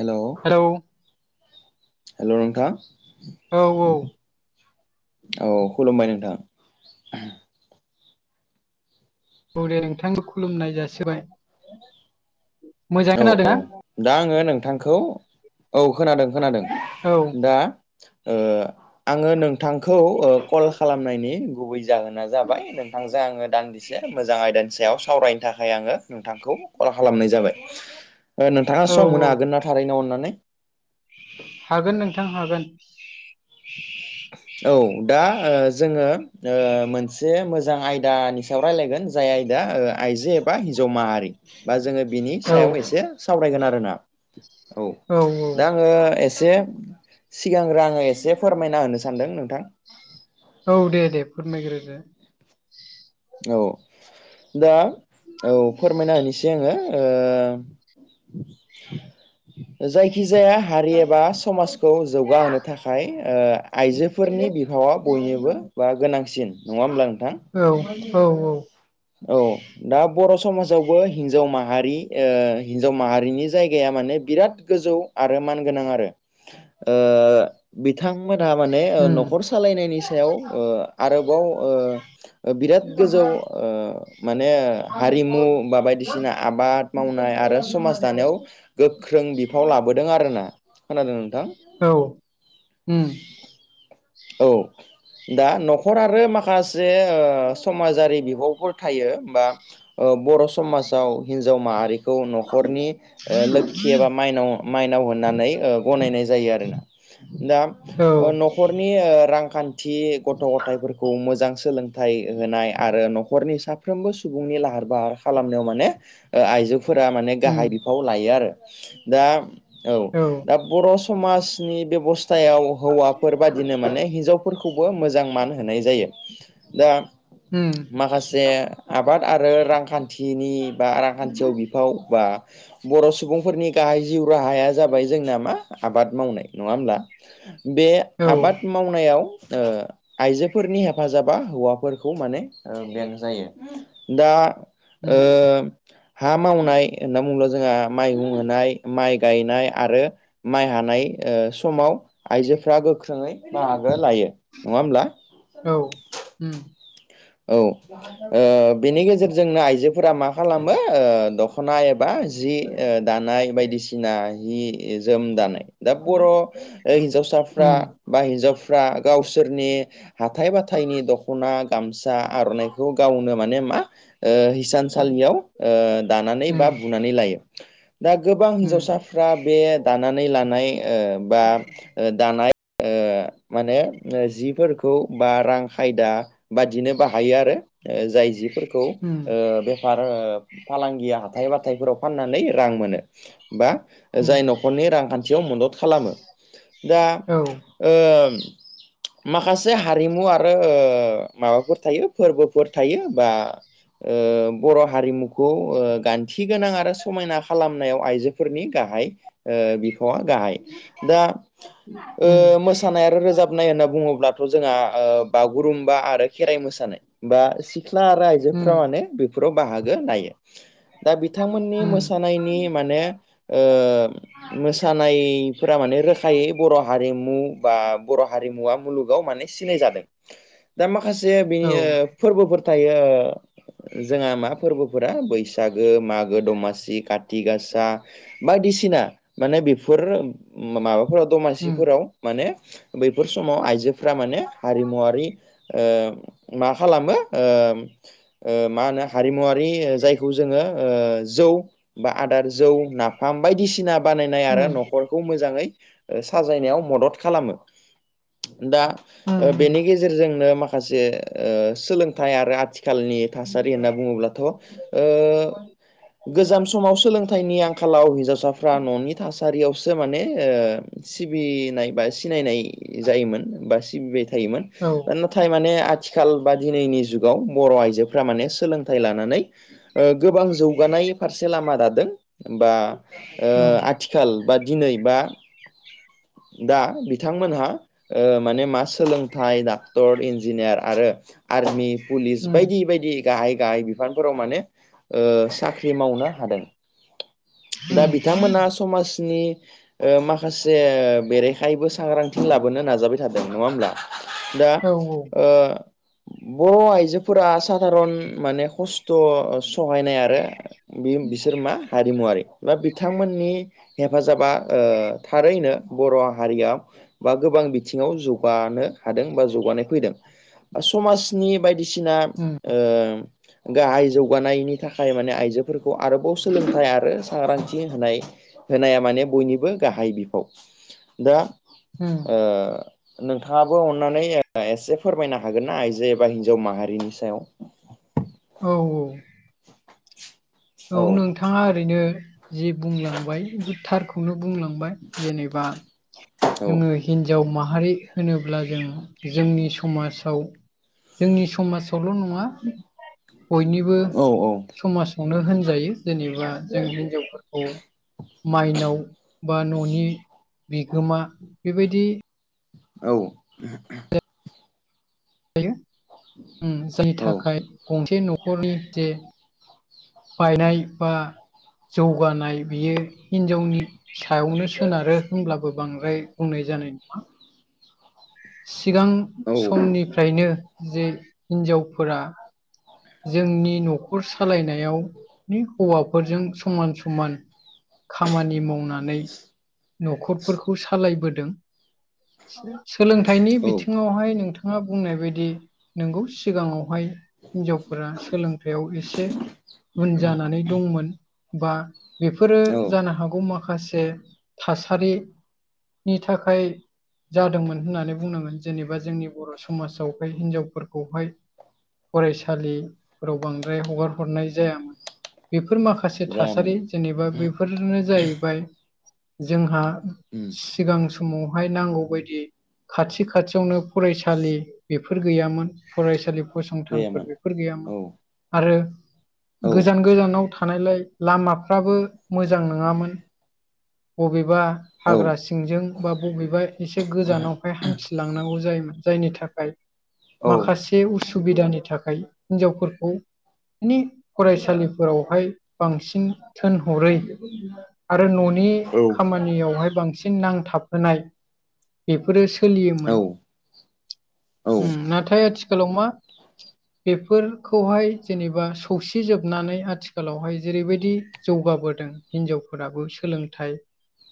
Hello hello. Hello नोंथा। औ औ। औ खुलुमबाय नोंथां। औ दे नोंथांखौ खुलुमनाय जासिबाय। मोजाङै औ औ खोनादोंना दा आङो नोंथांखौ औ खोनादों खोनादों औ दा। आङो नोंथांखौ कल खालामनायनि गुबै जाहोना जाबाय। नोंथांजों आङो दान्दिसे मोजां आयदानि सायाव सावरायनो थाखाय आङो नोंथांखौ कल खालामनाय जाबाय नोंथाङा औ सम औ मोनो हागोन ना थारैनोाव अनानै हागोन नोंथां हागोन। औ दा जोङो मोनसे मोजां आ यदानि सायाव रायलायगोन जाय आयदा आइजो एबा हिनजाव माहारि बा जोङो बिनि औ सायाव एसे सावरायगोन आरोना। औ दा आङो एसे सिगांग्रो आङो एसे फोरमायना होनो सानदों नोंथां। औ दे दे फोरमायग्रोदो। औ दा औ फोरमायना होनसै आङो जायखिजाया हारि एबा समाजखौ जौगाहोनो थाखाय ओ आइजोफोरनि बिफावा बयनोबो बा गोनांसिन नङा होमब्ला नोंथां? औ औ औ। औ। दा बर' समाजावबो हिन्जाव माहारि हिन्जाव माहारिनि जायगाया माने बिराद गोजौ आरो मान गोनां आरो ओ बिथांमोनहा माने उम न'खर सालायनायनि सायाव आरोबाव बिराद गोजौ ओ माने हारिमु बा बायदिसिना आबाद मावनाय आरो समाज दानायाव गोख्रों बिफाव लाबोदों आरोना खोनादों नोंथां। औ उम। औ। दा न'खर आरो माखासे समाजारि बिब'फोर थायो होमबा? बर' समाजाव हिन्जाव माहारिखौ न'खरनि लोखि एबा मायनाव माइनाव होननानै गनायनाय जायो आरोना दा औ न'खर रांखान्थि गथ' गथथायफोरखौ मोजां सोलों फ होनाय आरो न'खरनि साफ्रोमबो सुबुंनि लाहार फाहार खालामनायाव माने आइजो फोर माने उम गाहाय बिफाव लायो आरो दा औ दा बर' समाजनि बेब'स्थायाव हौवाफोर बादि बिदिनो माने हिनजावफोरखौबो मोजां मान होनाय जायो दा उम माखासे आबाद आरो रांखान्थिनि बा रांखान्थियाव बिफाव बा बर' सुबुंफोरनि गाहाय जिउ राहाया जाबाय जोंना मा आबाद मावनाय नङा होमब्ला बे औ आबाद मावनायाव आइजोफोरनि हेफाजाबा हौवा फोरखौ माने बें जायो दा उम हा मावनाय होनना बुङोब्ला जोंहा माइ गुंहोनाय माइ गायनाय आरो। माइ हानाय समाव आइजोफ्रा गोख्रोङै बाहागो लायो नङा होमब्ला? औ। औ बेनि गेजेरजोंनो आइजोफोरा मा खालामो दख'ना एबा बा जि दानाय बायदिसिना जि जोम दानाय दा बर' हिन्जावसाफ्रा उम बा हिनजावफ्रा गावसोरनि हाथथाय बाथथायनि दख'ना गामसा फिसा आर'नाइखौ गावनो माने मा हिसानसालियाव दानानै उम बा बुनानै लायो। दा गोबां उम हिन्जावसाफ्रा बे दानानै लानाय बा दानाय माने जिफोरखौ बा रां खायदा बाददिनो बाहायो आरो ओ जाय जिफोरखौ ओ उम बेफारो फालां हाथथाय बाथथायफोराव फाननानै रां मोनो बा उम जाय न'खरनि रांखान्थियाव मदद खालामो दा औ माखासे हारिमु आरो माबाफोर थायो फोरबोफोर थायो बा बर' हारिमुखौ गा थि गोनां आरो समायना खालामनायाव आइजोफोरनि गाहाय बिफावा गाहाय दा उम मोसानाय आरो रोजाब नाय होनना बुङोब्लाथ' जोंहा बागुरुम्बा आरो खेराइ मोसानाय बा सिख्ला आरो आ आजो उम म बेफोराव बाहागो नाय दा बिथांमोननि उम मोसानायनि माने मोसानायफोरा माने रोखायै बर' हारिमु बा बर' हारिमुवा मुलुग माने सिनाय जादों दा माखासे बिनि औ फोरबोफोर थायो। जोंहा मा फोरबोफोरा बैसागो मागो दमासि खात गासा बायदिसिना माने बेफोर माबाफोराव उम दमासिफोराव माने बैफोर समाव आइजो फ्रा माने हारिमुवारि मा खालामो मा होनो हारिमुवारि होयो जायखौ जोङो ओ जौ बाआदान जौ नाफाम बायदिसिना बानायनाय आरो उम न'खर खौ मोजाङै साजायनायाव मदद खालामो दा उम बेनि गेजेराव गेजेरजोंनो माखासे ओ सोलोंथाइ आरो आथिखालनि थासारि होनना बुङोब्लाथ' ओ गोजाम समाव सोलोंथाइनि आंखालाव हिनजावसा फ्रा न'नि थासारियावसो माने सिबिनाय बा सिनायनाय जायोमोन बा सिबिबाय थायोमोन औ नाथाय माने आथिखाल बा दिनैनि जुगाव बर' आइजोफ माने सोलोंथाइ लानानै गोबां जौगानाय फारसे लामा दादों बा आथिखाल आथिखाल बा दिनै बा दा बिथांमोनहा माने मा सोलोंथाइ दा क्टर इन्जिनियार आरो आर्मि पुलिस उम बायदि बायदि गाहाय गाहाय बिफानफोराव माने साख्रि मावनो हादों दा उम बिथांमोना समाजनि माखासे बेरेखायैबो सांग्रांथि लाबोनो नाजाबाय थादों नङा होमब्ला दा औ औ ओ बर' आइजोफोरा साधारन माने खस्थ' सहायनाय आरो बिसोर मा हारिमुवारि बा बिथांमोननि हेफाजाबा थारैनो बर' हारियाव बा गोबां बिथिङाव जौगानो हादों बा जौगानाय फैदों बा समाजनि बायदिसिना उम गाहाय जौगानायनि थाखाय माने आइजोफोरखौ आरोबाव सोलोंथाइ आरो सांग्रांथि होनाय होनाया माने बयनिबो गाहाय बिफाव दा उम नोंथाङाबो अननानै एसे फोरमायनो हागोन ना आइजो एबा हिन्जाव माहारिनि सायाव औ औ औ नोंथाङा ओरैनो ज बुंलांबाय बे थारखौनो बुंलांबाय फबाय जेनेबा औ जोङो हिन्जाव माहारि होनोब्ला जों जोंनि समाजाव जोंनि समाजावल' नङा बयनिबो औ समाजावनो होनजायो जेनेबा जों हिनजाव फोरखौ माइनाव बा न'नि बिगोमा बेबायदि औ जायनि थाखाय गंसे न'खरनि जे बायनाय बा जौगानाय बियो हिनजावनि सायावनो सोनारो होनब्लाबो बांद्राय बुंनाय जानाय नङा सिगां औ समनिफ्रायनो जे हिन्जावफोरा जोंनि न'खर सालायनायाव हौवाफोरजों समान समान खामानि मावनानै न'खरफोरखौ सालायबोदों सोलोंथाइनि औ बिथिङावहाय नोंथां नोंथाङा बुंनाय बायदि नोंगौ सिगाङावहाय हिनजावफोरा सोलोंथायाइयाव एसे उन जानानै दंमोन बा बेफोरो औ जानो हागौ माखासे थासारिनि थाखाय जादोंमोन होननानै बुंनांगोन जेनेबा जोंनि बर' समाजावहाय हिनजावफोरखौहाय फरायसालिफोराव बांद्राय हगार हरनाय जायोन बेफोर माखासे जायामोन थासारि जेनेबा बेफोर नो जाहैबाय जोंहा उम सिगां समावहाय नांगौबायायदि खाथि खाथियावनो फरायसालि बेफोर गैयामोन फरायसालि फसंथानफोर जायामोन बेफोर गैयामोन औ आरो औ गोजान गोजानाव थानायलाय लामाफ्राबो मोजां नङामोन बबेबा औ हाग्रा सि सिंजों बा बबेबा एसे गोजानावहाय हान्थिलांनांगौ जायोमोन जायनि थाखाय औ माखासे उसुबिदानि थाखाय हिनजावफोरखौ माने फरायसालिफोरावहाय बांसिन थोनहरै आरो न'नि औ खामानियावहाय बांसिन नांथाबहोनाय बेफोरो औ सोलियोमोन उम नाथाय आथिखालाव मा बेफोरखौहाय जेनेबा सौसिजोबनानै आथिखालावहाय जेरैबायदि जौगाबोदों हिनजावफोराबो सोलोंथाइ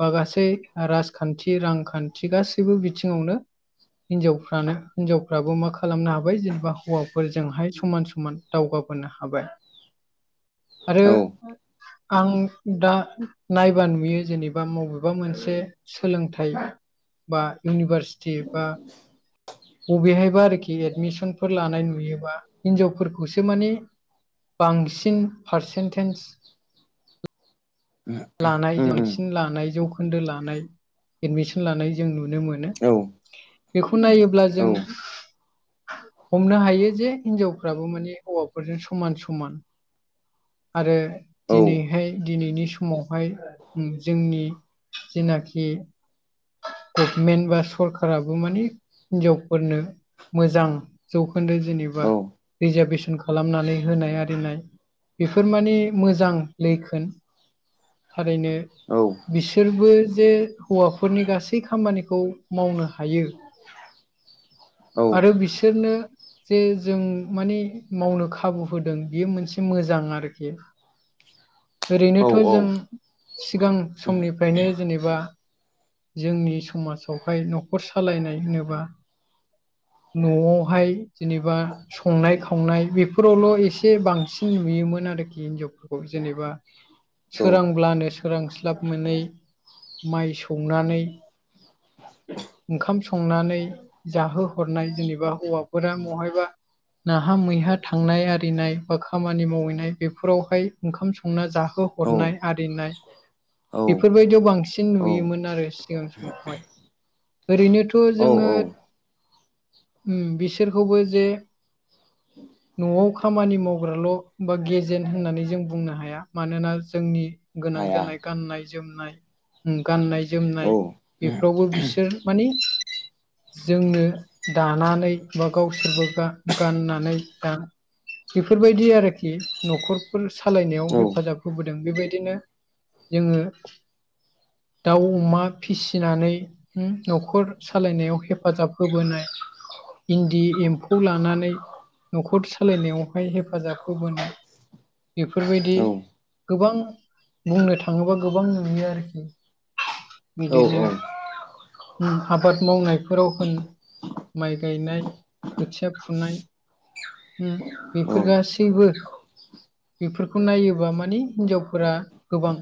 बा गासै राजखान्थि रांखान्थि गासैबो बिथिङावनो हिनजावफ्रानो हिनजावफ्राबो मा खालामनो हाबाय जेनेबा हौवा फोरजोंहाय समान समान दावगाबोनो हाबाय आरो औ उम आं दा नायबा नुयो जेनेबा बबेबा मोनसे सोलोंथाइ बा इउनिभारसिटि बा बबेहायबा आरोखि एदमिसन फोर लानाय नुयोबा हिनजावफोरखौसो माने बांसिन पारसेन्टेज लानाय उम जांसिन लानाय जौखोन्दो लानाय एडमिसन लानाय जों नुनो मोनो औ बेखौ नायोब्ला औ जों हमनो हायो जे हिनजावफ्राबो माने हौवाफोरजों समान समान आरो औ दिनैहाय दिनैनि सम समावहाय जोंनि जेनाखि गभमेन्ट बा सरखाराराबो माने हिनजावफोरनो मोजां जौखोन्दो जेनेबा औ रिजारभेसन खालामनानै होनाय आरिनाय बेफोर माने मोजां लैखोन थारैनो औ बिसोरबो जे हौवाफोरनि गासै खामानिखौ मावनो हायो आरो बिसोरनो जे जों माने मावनो खाबु होदों बेयो मोनसे मोजां आरोखि ओरैनोथ जों सिगां समनिफ्रायनो जेनेबा जोंनि समाजावहाय न'खर सालायनाय होनोब्ला न'आवहाय जेनेबा संनाय खावनाय बेफोरावल एसे बांसिन नुयोमोन आरोखि हिनजावफोरखौ जेनेबा सोरांब्लानो सोरांस्लाब मोनै माइ सौनानै ओंखाम संनानै जाहोहरनाय जेनेबा हौवाफोरा महायबा नाहा मैहा थांनाय आरिनाय बा खामानि मावहैनाय बेफोरावहाय ओंखाम संना जाहो औ हरनाय आरिनाय बेफोरबायदियाव बांसिन औ नुयोमोन आरो सिगां समावहाय ओरैनोथ औ जोङो औ बिसोरखौबो जे [inaudible] न'आव खामानि मावग्राल बा गेजेन होननानै जों बुंनो हाया मानोना जोंनि गोनां हाया जानाय गाननाय जोमनाय गाननाय औ जोमनाय बेफोरावबो बिसोर माने [inaudible] जोंनो दानानै बा गा गावसोरबो गाननानै दा बेफोरबायदि आरोखि न'खर फोर सालायनायाव औ हेफाजाब होबोदों बेबायदिनो जोङो दाउ अमा फिसिनानै न'खर सालायनायाव हेफाजाब होबोनाय इन्दि एम्फौ लानानै न'खर सालायनायावहाय हेफाजाब होबोनो बेफोरबायदि गोबां बुंनो थाङोबा गोबां नुयो आरोखि बिदिनो औ आबाद मावनायफोराव होन माइ गायनाय खोथिया फुनाय औ बेफोर गासैबो बेफोरखौ नायोबा मानिे हिनजावफोरा गोबां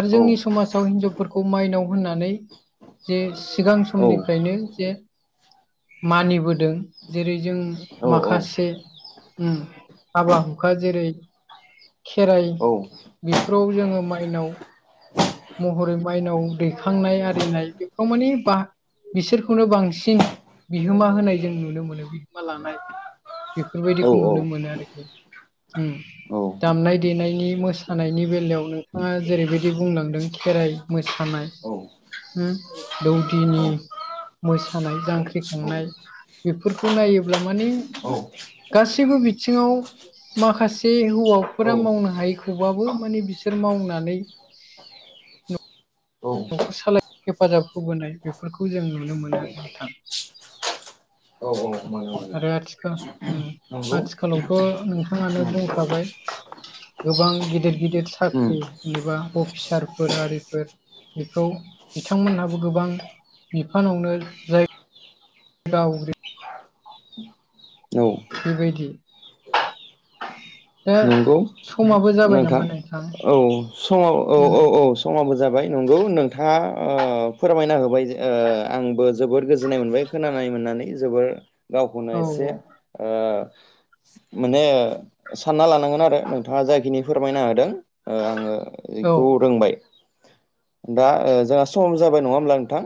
आरो औ जोंनि समाजाव हिनजाव फोरखौ माइनाव होननानै जे सिगां औ समनिफ्रायनो जे मानिबोदों जेरै जों माखासे हाबा हुखा जेरै खेराइ बेफोराव जोङो माइनाव महरै माइनाव दैखांनाय आरिनाय बेफोराव मानिे ब बिसोरखौनो बांसिन बिहोमा होनाय जों नुनो मोनो बिहोमा लानाय बेफोरबायदिखौ नुनो मोनो आरोखि दामनाय देनायनि मोसानायनि बेलायाव नोंथाङा जेरैबायदि बुंलांदों खेराइ मोसानाय दौदिनि मोसानाय जांख्रिखांनाय बेफोरखौ नायोब्ला माने गासैबो बिथिङाव माखासे हौवाफोरा औ औ मावनो हायैखौबाबो माने बिसोर मावनानै औ न'खर सालायनाय हेफाजाब होबोनाय बेफोरखौ जों नुनो मोनो आरो नोंथां औ औ मोनो आरो आथिखाल नंगौ आथिखालावथ' नोंथाङानो उम बुंखाबाय। गोबां गिदिर गिदिर उम साख्रि जेनेबा अफिसारफोर आरिफोर बेखौ बिथांमोनहाबो गोबां बिफानावनो जाय [unintelligible] औ बेबायदि दा नंगौ समाबो जाबाय नोंथां नामा औ समाव औ उम औ औ समाबो जाबाय नंगौ नोंथाङा फोरमायना होबाय आंबो जोबोर गोजोननाय मोनबाय खोनानाय मोननानै जोबोर गावखौनो औ एसे माने सानना लानांगोन आरो नोंथाङा जायाखिनि फोरमायना होादों आङो औ बेखौ रोंबाय दा जोंहा सम जाबाय नङा होमब्ला नोंथां